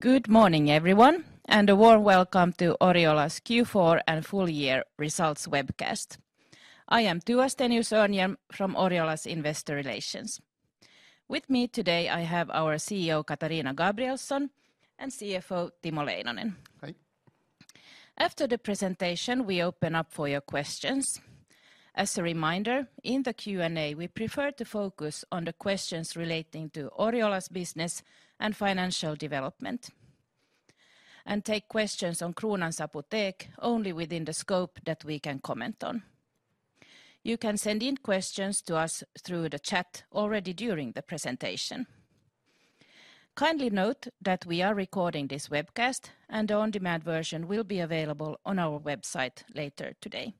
Good morning everyone, and a warm welcome to Oriola's Q4 and full-year results webcast. I am Tua Stenius-Örnhjelm from Oriola's Investor Relations. With me today I have our CEO Katarina Gabrielson and CFO Timo Leinonen. Hi. After the presentation we open up for your questions. As a reminder, in the Q&A we prefer to focus on the questions relating to Oriola's business and financial development, and take questions on Kronans Apotek only within the scope that we can comment on. You can send in questions to us through the chat already during the presentation. Kindly note that we are recording this webcast and the on-demand version will be available on our website later today.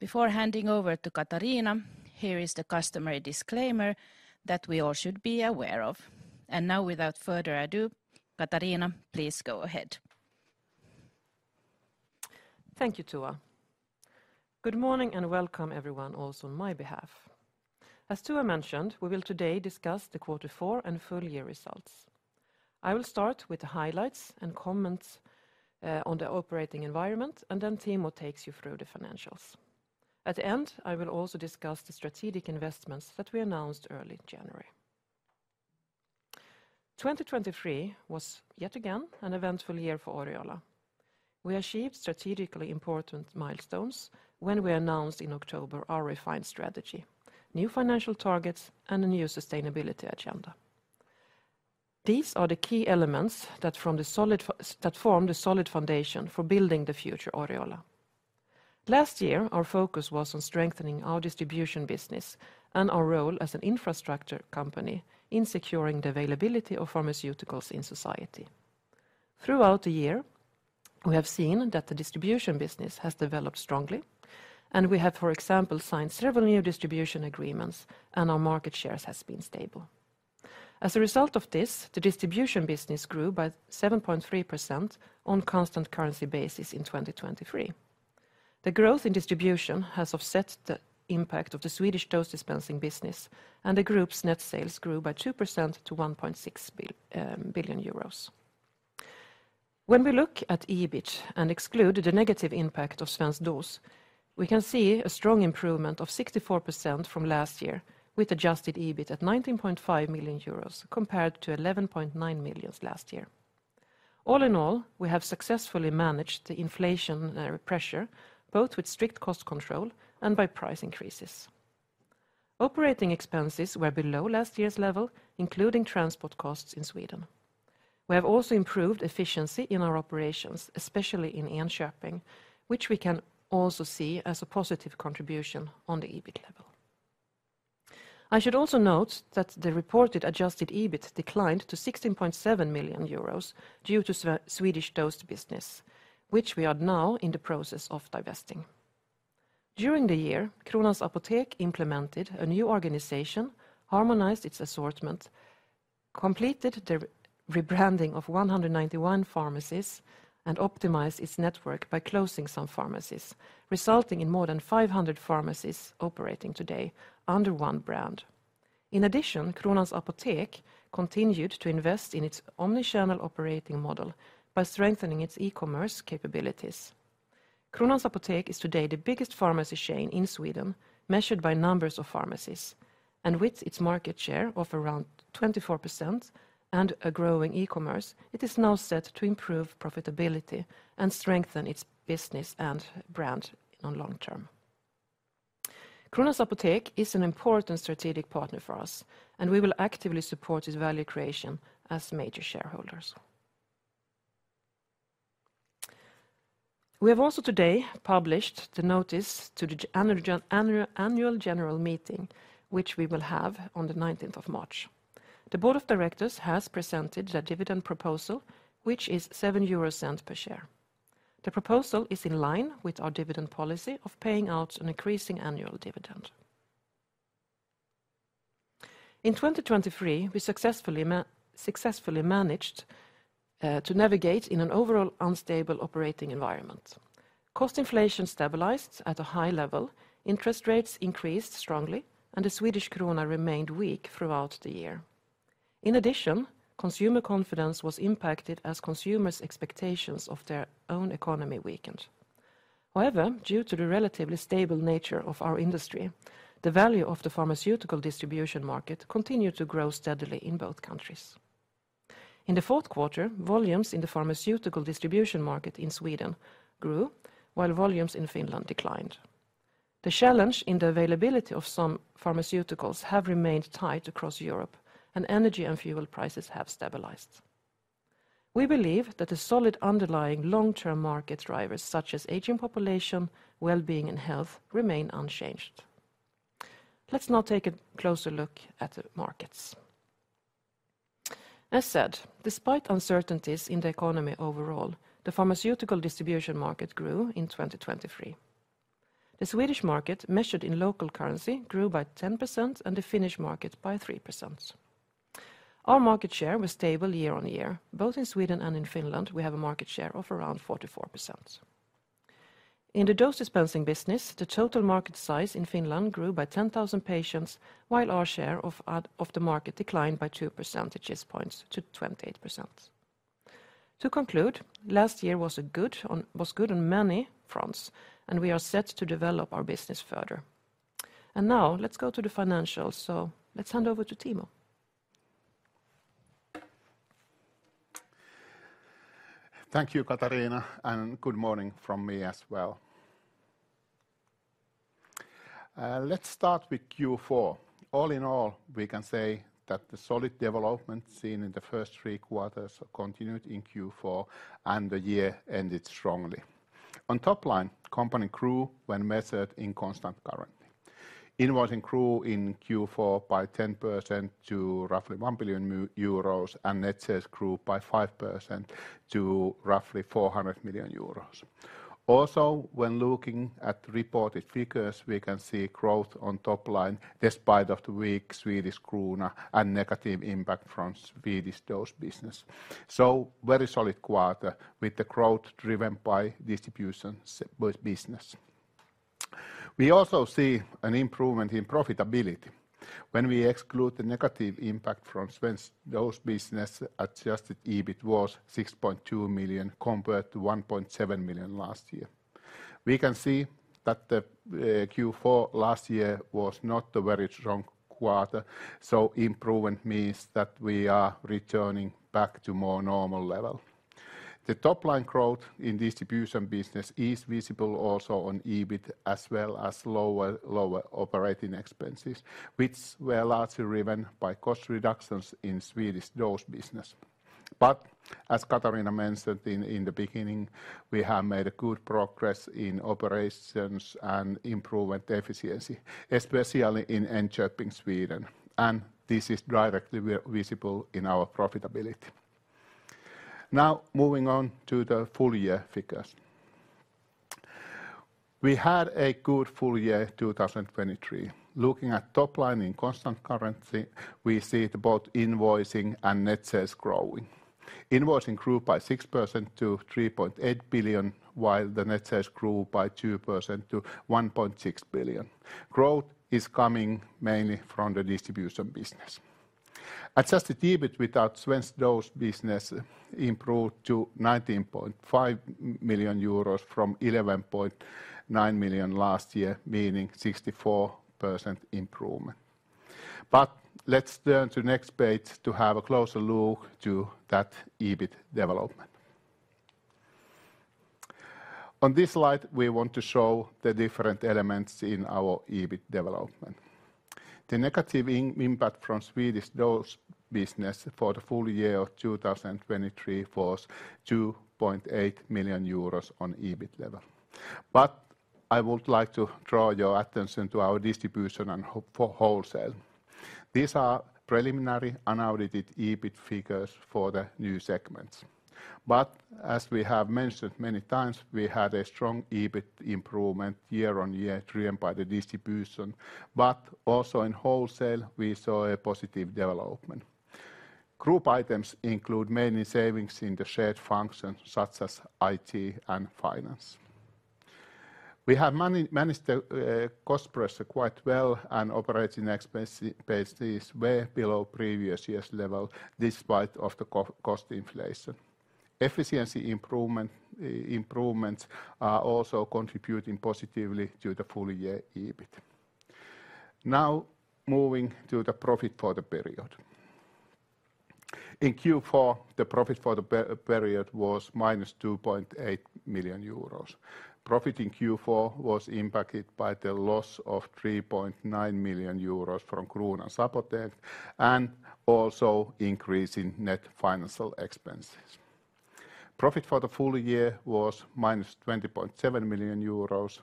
Before handing over to Katarina, here is the customary disclaimer that we all should be aware of. Now without further ado, Katarina, please go ahead. Thank you, Tua. Good morning and welcome everyone also on my behalf. As Tua mentioned, we will today discuss the quarter four and full-year results. I will start with the highlights and comments on the operating environment and then Timo takes you through the financials. At the end I will also discuss the strategic investments that we announced early January. 2023 was yet again an eventful year for Oriola. We achieved strategically important milestones when we announced in October our refined strategy, new financial targets, and a new sustainability agenda. These are the key elements that form the solid foundation for building the future Oriola. Last year our focus was on strengthening our distribution business and our role as an infrastructure company in securing the availability of pharmaceuticals in society. Throughout the year we have seen that the distribution business has developed strongly and we have, for example, signed several new distribution agreements and our market shares have been stable. As a result of this the distribution business grew by 7.3% on constant currency basis in 2023. The growth in distribution has offset the impact of the Svensk Dos business dose dispensing business and the group's net sales grew by 2% to 1.6 billion euros. When we look at EBIT and exclude the negative impact of Svensk Dos, we can see a strong improvement of 64% from last year with adjusted EBIT at 19.5 million euros compared to 11.9 million last year. All in all we have successfully managed the inflationary pressure both with strict cost control and by price increases. Operating expenses were below last year's level including transport costs in Sweden. We have also improved efficiency in our operations especially in Enköping which we can also see as a positive contribution on the EBIT level. I should also note that the reported adjusted EBIT declined to 16.7 million euros due to Svensk Dos business which we are now in the process of divesting. During the year Kronans Apotek implemented a new organization, harmonized its assortment, completed the rebranding of 191 pharmacies and optimized its network by closing some pharmacies resulting in more than 500 pharmacies operating today under one brand. In addition Kronans Apotek continued to invest in its omnichannel operating model by strengthening its e-commerce capabilities. Kronans Apotek is today the biggest pharmacy chain in Sweden measured by numbers of pharmacies and with its market share of around 24% and a growing e-commerce it is now set to improve profitability and strengthen its business and brand on long term. Kronans Apotek is an important strategic partner for us and we will actively support its value creation as major shareholders. We have also today published the notice to the annual general meeting which we will have on the 19th of March. The board of directors has presented the dividend proposal which is 0.07 per share. The proposal is in line with our dividend policy of paying out an increasing annual dividend. In 2023 we successfully managed to navigate in an overall unstable operating environment. Cost inflation stabilized at a high level, interest rates increased strongly, and the Swedish krona remained weak throughout the year. In addition, consumer confidence was impacted as consumers' expectations of their own economy weakened. However, due to the relatively stable nature of our industry, the value of the pharmaceutical distribution market continued to grow steadily in both countries. In the fourth quarter volumes in the pharmaceutical distribution market in Sweden grew while volumes in Finland declined. The challenge in the availability of some pharmaceuticals has remained tight across Europe and energy and fuel prices have stabilized. We believe that the solid underlying long-term market drivers such as aging population, well-being, and health remain unchanged. Let's now take a closer look at the markets. As said, despite uncertainties in the economy overall, the pharmaceutical distribution market grew in 2023. The Swedish market measured in local currency grew by 10% and the Finnish market by 3%. Our market share was stable year-on-year. Both in Sweden and in Finland we have a market share of around 44%. In the dose dispensing business the total market size in Finland grew by 10,000 patients while our share of the market declined by 2 percentage points to 28%. To conclude, last year was good on many fronts and we are set to develop our business further. Now let's go to the financials so let's hand over to Timo. Thank you, Katarina, and good morning from me as well. Let's start with Q4. All in all we can say that the solid development seen in the first three quarters continued in Q4 and the year ended strongly. On top line, company grew when measured in constant currency. Invoicing grew in Q4 by 10% to roughly 1 billion euros and net sales grew by 5% to roughly 400 million euros. Also when looking at reported figures we can see growth on top line despite the weak Swedish krona and negative impact from Svensk Dos business. So very solid quarter with the growth driven by distribution business. We also see an improvement in profitability. When we exclude the negative impact from Svensk Dos business adjusted EBIT was 6.2 million compared to 1.7 million last year. We can see that the Q4 last year was not a very strong quarter so improvement means that we are returning back to more normal level. The top line growth in distribution business is visible also on EBIT as well as lower operating expenses which were largely driven by cost reductions in Svensk Dos business. But as Katarina mentioned in the beginning we have made a good progress in operations and improvement efficiency especially in Enköping, Sweden. And this is directly visible in our profitability. Now moving on to the full-year figures. We had a good full year 2023. Looking at top line in constant currency we see both invoicing and net sales growing. Invoicing grew by 6% to 3.8 billion while the net sales grew by 2% to 1.6 billion. Growth is coming mainly from the distribution business. Adjusted EBIT without Svensk Dos business improved to 19.5 million euros from 11.9 million last year meaning 64% improvement. But let's turn to the next page to have a closer look to that EBIT development. On this slide we want to show the different elements in our EBIT development. The negative impact from Svensk Dos business for the full year of 2023 was 2.8 million euros on EBIT level. But I would like to draw your attention to our distribution and wholesale. These are preliminary unaudited EBIT figures for the new segments. But as we have mentioned many times we had a strong EBIT improvement year-on-year driven by the distribution but also in wholesale we saw a positive development. Group items include mainly savings in the shared function such as IT and finance. We have managed the cost pressure quite well and operating expenses were below previous year's level despite the cost inflation. Efficiency improvements are also contributing positively to the full-year EBIT. Now moving to the profit for the period. In Q4 the profit for the period was -2.8 million euros. Profit in Q4 was impacted by the loss of 3.9 million euros from Kronans Apotek and also increasing net financial expenses. Profit for the full year was -20.7 million euros.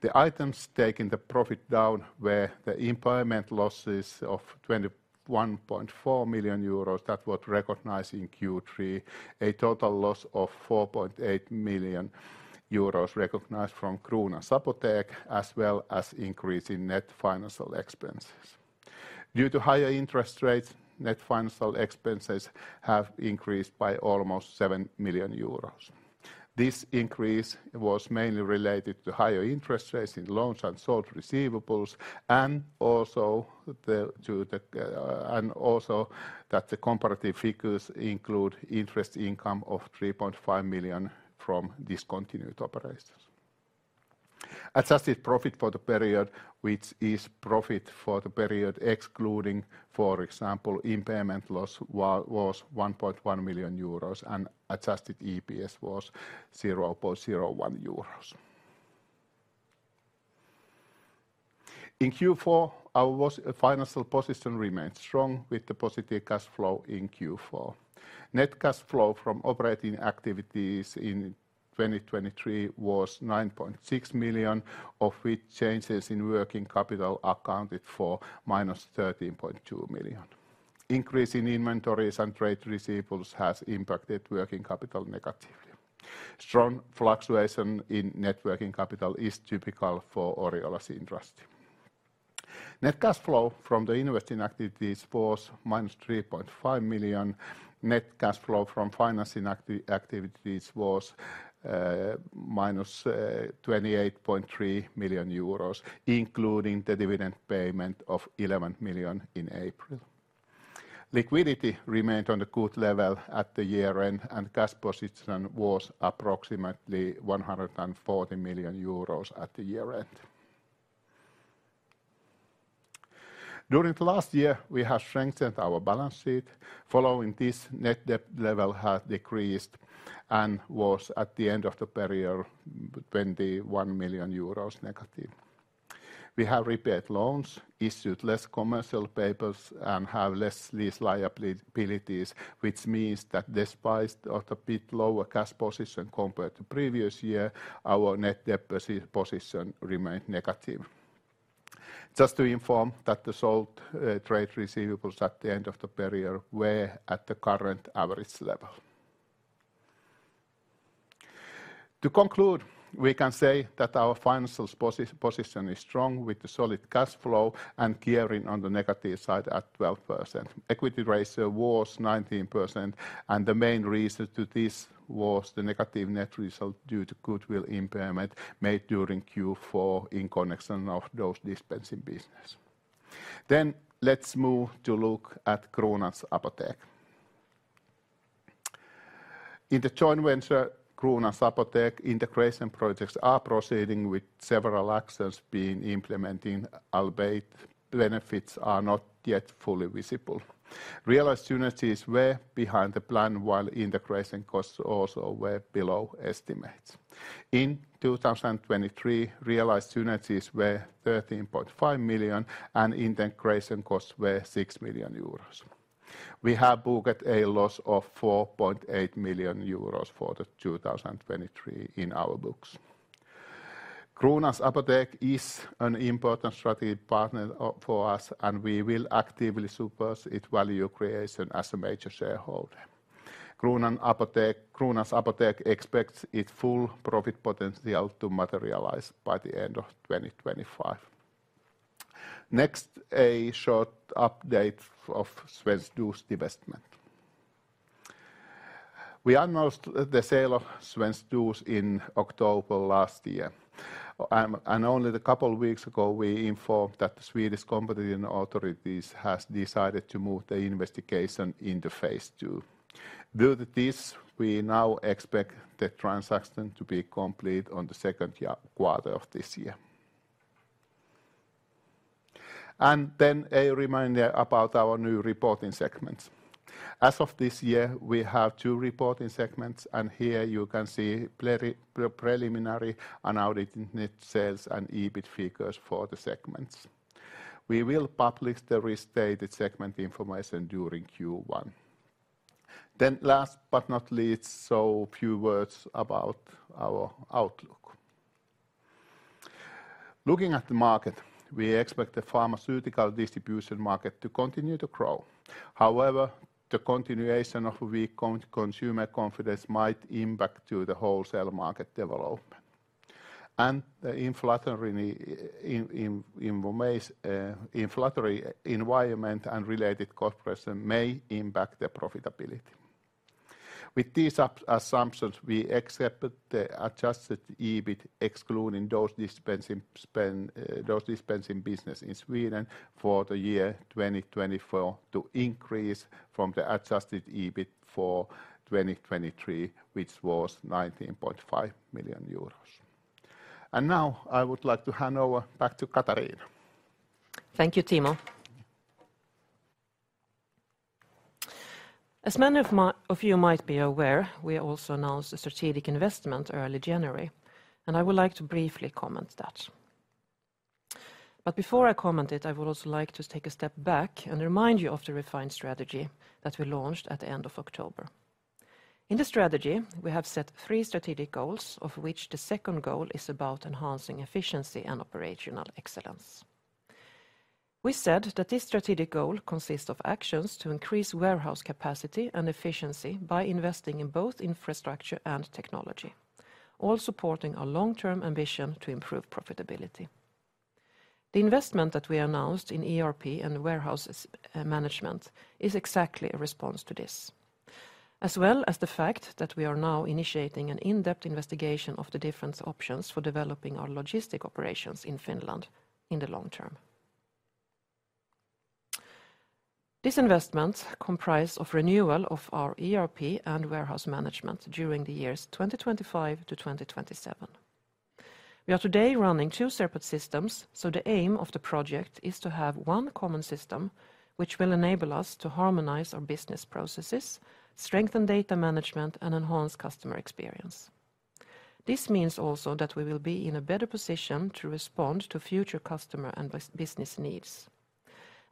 The items taking the profit down were the impairment losses of 21.4 million euros that were recognized in Q3, a total loss of 4.8 million euros recognized from Kronans Apotek as well as increasing net financial expenses. Due to higher interest rates net financial expenses have increased by almost 7 million euros. This increase was mainly related to higher interest rates in loans and sold receivables and also that the comparative figures include interest income of 3.5 million from discontinued operations. Adjusted profit for the period which is profit for the period excluding for example impairment loss was 1.1 million euros and adjusted EPS was 0.01 euros. In Q4 our financial position remained strong with the positive cash flow in Q4. Net cash flow from operating activities in 2023 was 9.6 million of which changes in working capital accounted for -13.2 million. Increase in inventories and trade receivables has impacted working capital negatively. Strong fluctuation in net working capital is typical for Oriola's industry. Net cash flow from the investing activities was -3.5 million. Net cash flow from financing activities was -28.3 million euros including the dividend payment of 11 million in April. Liquidity remained on a good level at the year end and cash position was approximately EUR 140 million at the year end. During the last year we have strengthened our balance sheet. Following this net debt level has decreased and was at the end of the period 21 million euros negative. We have repaid loans, issued less commercial papers, and have less lease liabilities which means that despite a bit lower cash position compared to previous year our net debt position remained negative. Just to inform that the sold trade receivables at the end of the period were at the current average level. To conclude we can say that our financial position is strong with the solid cash flow and gearing on the negative side at 12%. Equity ratio was 19% and the main reason to this was the negative net result due to goodwill impairment made during Q4 in connection of dose dispensing business. Let's move to look at Kronans Apotek. In the joint venture Kronans Apotek integration projects are proceeding with several actions being implemented albeit benefits are not yet fully visible. Realized synergies were behind the plan while integration costs also were below estimates. In 2023 realized synergies were 13.5 million and integration costs were 6 million euros. We have booked a loss of 4.8 million euros for 2023 in our books. Kronans Apotek is an important strategic partner for us and we will actively support its value creation as a major shareholder. Kronans Apotek expects its full profit potential to materialize by the end of 2025. Next, a short update of Svensk Dos investment. We announced the sale of Svensk Dos in October last year. Only a couple of weeks ago we informed that the Swedish competition authorities have decided to move the investigation into phase two. Due to this we now expect the transaction to be complete on the second quarter of this year. Then a reminder about our new reporting segments. As of this year we have two reporting segments and here you can see preliminary unaudited net sales and EBIT figures for the segments. We will publish the restated segment information during Q1. Last but not least, a few words about our outlook. Looking at the market we expect the pharmaceutical distribution market to continue to grow. However, the continuation of weak consumer confidence might impact the wholesale market development. The inflationary environment and related cost pressure may impact the profitability. With these assumptions, we expect the Adjusted EBIT excluding dose dispensing business in Sweden for the year 2024 to increase from the Adjusted EBIT for 2023, which was 19.5 million euros. Now I would like to hand over back to Katarina. Thank you, Timo. As many of you might be aware, we also announced a strategic investment early January and I would like to briefly comment that. But before I comment it I would also like to take a step back and remind you of the refined strategy that we launched at the end of October. In the strategy we have set three strategic goals of which the second goal is about enhancing efficiency and operational excellence. We said that this strategic goal consists of actions to increase warehouse capacity and efficiency by investing in both infrastructure and technology. All supporting our long-term ambition to improve profitability. The investment that we announced in ERP and warehouse management is exactly a response to this. As well as the fact that we are now initiating an in-depth investigation of the different options for developing our logistic operations in Finland in the long term. This investment comprises renewal of our ERP and warehouse management during the years 2025-2027. We are today running two separate systems so the aim of the project is to have one common system which will enable us to harmonize our business processes, strengthen data management, and enhance customer experience. This means also that we will be in a better position to respond to future customer and business needs.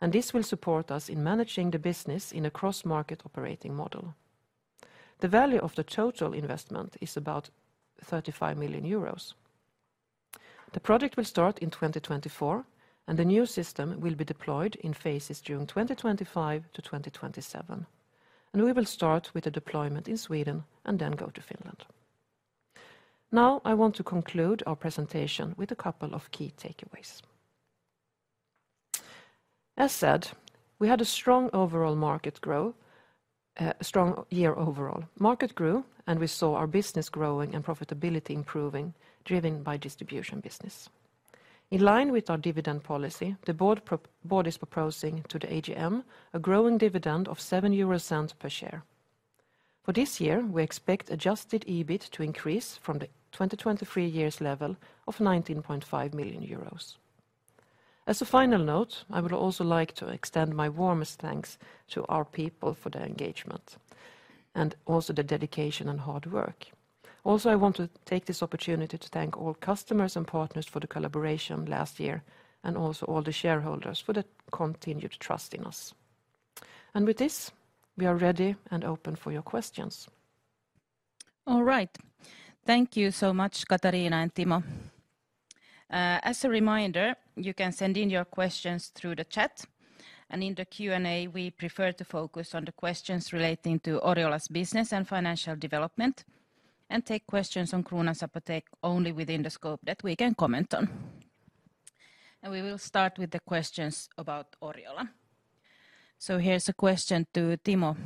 This will support us in managing the business in a cross-market operating model. The value of the total investment is about 35 million euros. The project will start in 2024 and the new system will be deployed in phases during 2025-2027. We will start with the deployment in Sweden and then go to Finland. Now I want to conclude our presentation with a couple of key takeaways. As said, we had a strong overall market growth, a strong year overall. Market grew and we saw our business growing and profitability improving driven by distribution business. In line with our dividend policy, the board is proposing to the AGM a growing dividend of 0.07 per share. For this year, we expect Adjusted EBIT to increase from the 2023 year's level of 19.5 million euros. As a final note, I would also like to extend my warmest thanks to our people for their engagement. And also their dedication and hard work. Also, I want to take this opportunity to thank all customers and partners for the collaboration last year and also all the shareholders for the continued trust in us. And with this, we are ready and open for your questions. All right. Thank you so much, Katarina and Timo. As a reminder, you can send in your questions through the chat. In the Q&A, we prefer to focus on the questions relating to Oriola's business and financial development. We take questions on Kronans Apotek only within the scope that we can comment on. We will start with the questions about Oriola. So here's a question to Timo.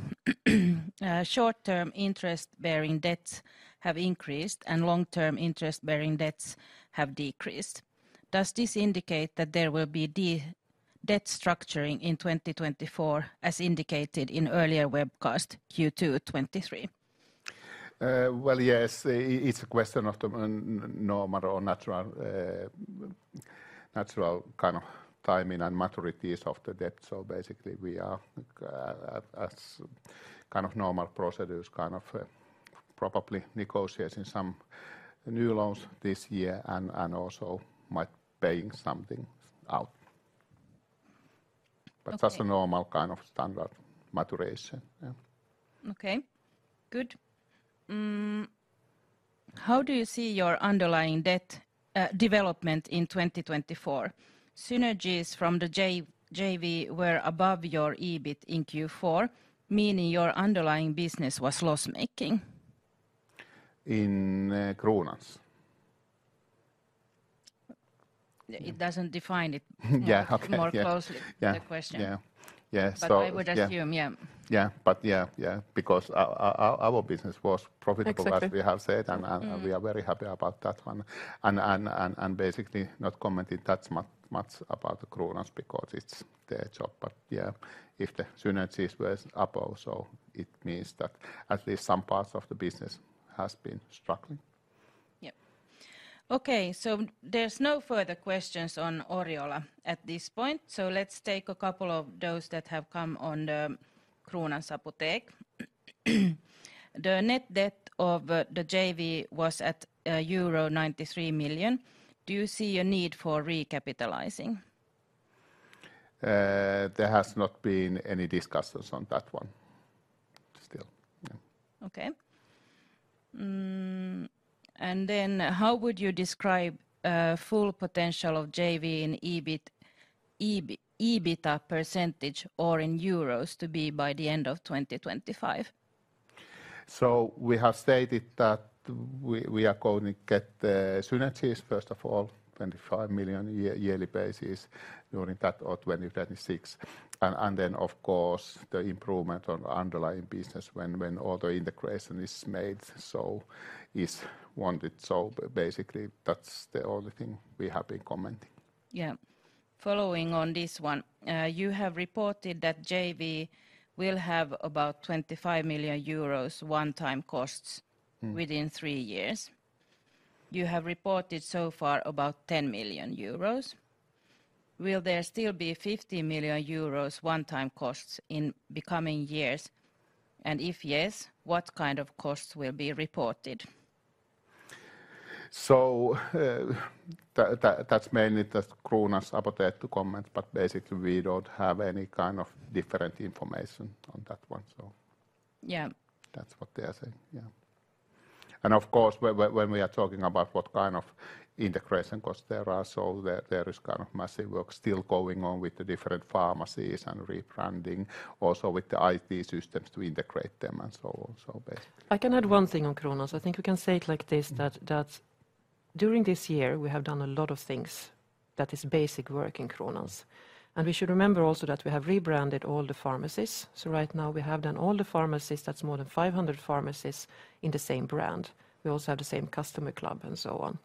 Short-term interest-bearing debts have increased and long-term interest-bearing debts have decreased. Does this indicate that there will be debt structuring in 2024 as indicated in earlier webcast Q2 2023? Well, yes, it's a question of the normal or natural kind of timing and maturities of the debt. So basically we are as kind of normal procedures kind of probably negotiating some new loans this year and also might paying something out. But that's a normal kind of standard maturation. Okay. Good. How do you see your underlying debt development in 2024? Synergies from the JV were above your EBIT in Q4, meaning your underlying business was loss-making. In Kronans? It doesn't define it more closely, the question. Yeah, yeah, so. But I would assume, yeah. Yeah, but yeah, yeah, because our business was profitable as we have said and we are very happy about that one. Basically not commenting that much about Kronans because it's their job, but yeah. If the synergies were up also it means that at least some parts of the business has been struggling. Yep. Okay, so there's no further questions on Oriola at this point, so let's take a couple of those that have come on the Kronans Apotek. The net debt of the JV was at euro 1.93 million. Do you see a need for recapitalizing? There has not been any discussions on that one. Still, yeah. Okay. And then how would you describe full potential of JV in EBITDA percentage or in euros to be by the end of 2025? So we have stated that we are going to get synergies first of all 25 million yearly basis during that or 2026. And then of course the improvement on underlying business when all the integration is made so is wanted so basically that's the only thing we have been commenting. Yeah. Following on this one. You have reported that JV will have about 25 million euros one-time costs within 3 years. You have reported so far about 10 million euros. Will there still be 50 million euros one-time costs in the coming years? And if yes, what kind of costs will be reported? That's mainly just Kronans Apotek to comment but basically we don't have any kind of different information on that one so. Yeah. That's what they are saying, yeah. Of course when we are talking about what kind of integration costs there are so there is kind of massive work still going on with the different pharmacies and rebranding. Also with the IT systems to integrate them and so on so basically. I can add one thing on Kronans. I think we can say it like this, that during this year we have done a lot of things that is basic work in Kronans. We should remember also that we have rebranded all the pharmacies. Right now we have done all the pharmacies that's more than 500 pharmacies in the same brand. We also have the same customer club and so on.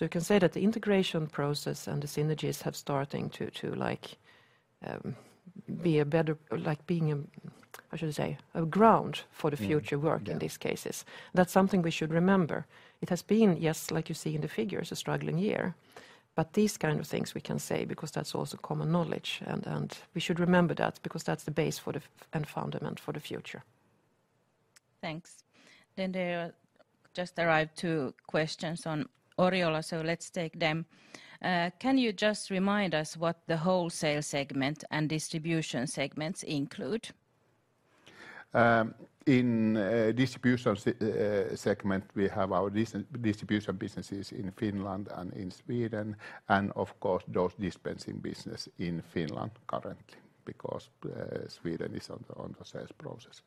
You can say that the integration process and the synergies have starting to like be a better like being a how should I say a ground for the future work in these cases. That's something we should remember. It has been, yes, like you see in the figures, a struggling year. But these kind of things we can say because that's also common knowledge, and we should remember that because that's the base for the foundation for the future. Thanks. Then there just arrived two questions on Oriola, so let's take them. Can you just remind us what the wholesale segment and distribution segments include? In distribution segment we have our distribution businesses in Finland and in Sweden. Of course dose dispensing business in Finland currently because Sweden is on the sales process.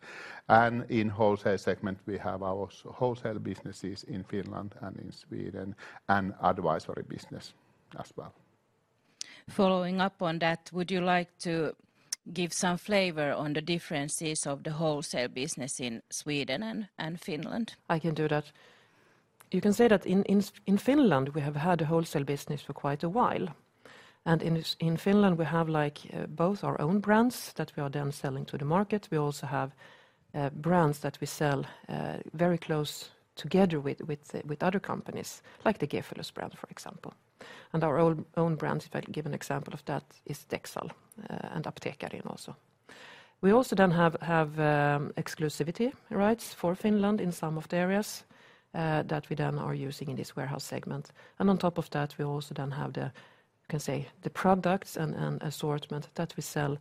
In wholesale segment we have our wholesale businesses in Finland and in Sweden and advisory business as well. Following up on that, would you like to give some flavor on the differences of the wholesale business in Sweden and Finland? I can do that. You can say that in Finland we have had a wholesale business for quite a while. In Finland we have like both our own brands that we are then selling to the market. We also have brands that we sell very close together with other companies. Like the Gefilus brand for example. Our own brand if I give an example of that is Dexal and Apteekkarin also. We also then have exclusivity rights for Finland in some of the areas that we then are using in this wholesale segment. On top of that we also then have the, you can say, the products and assortment that we sell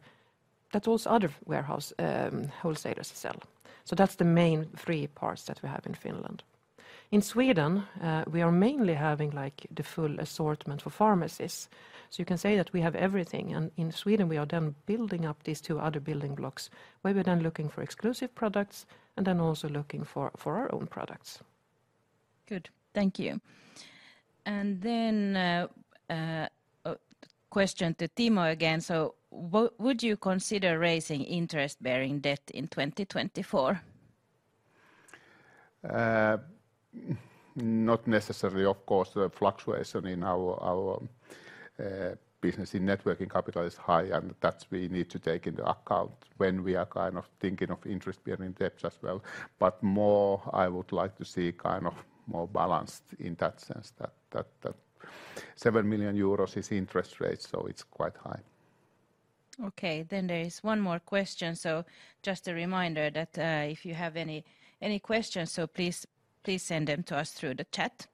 that also other wholesale wholesalers sell. So that's the main three parts that we have in Finland. In Sweden we are mainly having like the full assortment for pharmacies. You can say that we have everything and in Sweden we are then building up these two other building blocks. Where we are then looking for exclusive products and then also looking for our own products. Good. Thank you. And then a question to Timo again, so would you consider raising interest-bearing debt in 2024? Not necessarily, of course, the fluctuation in our business in net working capital is high, and that we need to take into account when we are kind of thinking of interest-bearing debts as well. But more, I would like to see kind of more balanced in that sense. That 7 million euros is interest rate, so it's quite high. Okay. Then there is one more question, so just a reminder that if you have any questions, so please send them to us through the chat.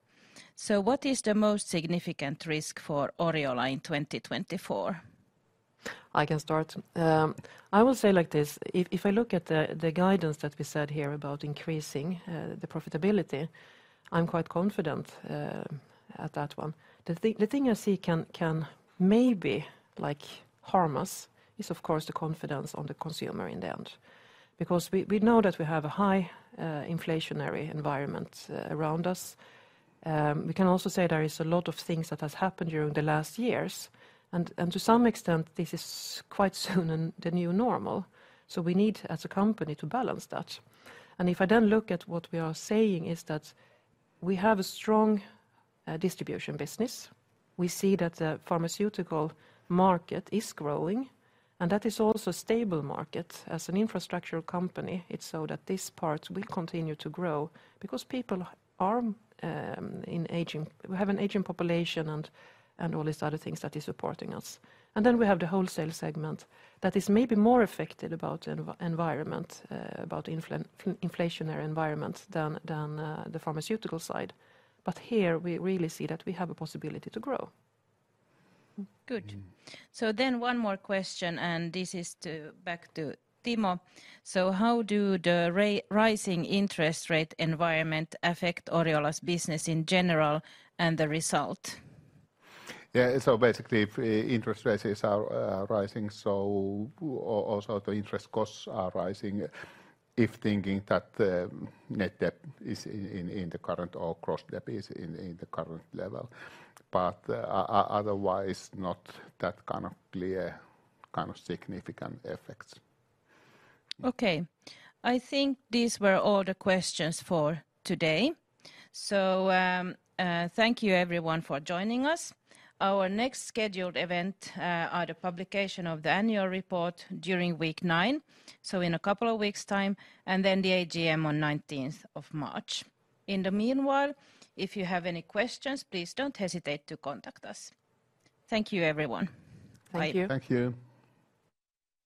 So what is the most significant risk for Oriola in 2024? I can start. I will say like this. If I look at the guidance that we said here about increasing the profitability, I'm quite confident at that one. The thing I see can maybe like harm us is of course the confidence on the consumer in the end. Because we know that we have a high inflationary environment around us. We can also say there is a lot of things that has happened during the last years. And to some extent this is quite soon the new normal. So we need as a company to balance that. And if I then look at what we are saying is that we have a strong distribution business. We see that the pharmaceutical market is growing. And that is also a stable market as an infrastructure company. It's so that this part will continue to grow because people are in aging, we have an aging population and all these other things that is supporting us. And then we have the wholesale segment that is maybe more affected about the environment about the inflationary environment than the pharmaceutical side. But here we really see that we have a possibility to grow. Good. So then one more question and this is back to Timo. So how do the rising interest rate environment affect Oriola's business in general and the result? Yeah, so basically interest rates are rising, so also the interest costs are rising if thinking that net debt is in the current or gross debt is in the current level. But otherwise not that kind of clear kind of significant effects. Okay. I think these were all the questions for today. So thank you everyone for joining us. Our next scheduled event are the publication of the annual report during week nine. So in a couple of weeks' time and then the AGM on 19th of March. In the meanwhile if you have any questions please don't hesitate to contact us. Thank you everyone. Thank you. Thank you.